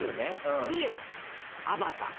で『アバター』。